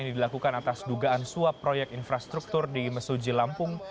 ini dilakukan atas dugaan suap proyek infrastruktur di mesuji lampung